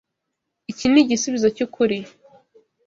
Iki ni igisubizo cyukuri.